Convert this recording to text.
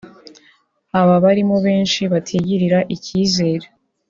Aba barimo benshi batigirira icyizere